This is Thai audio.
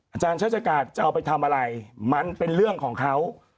อาจารย์ชาติกาศจะเอาไปทำอะไรมันเป็นเรื่องของเขา